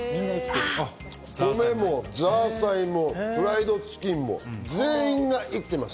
米もザーサイもフライドチキンも全員が生きてます。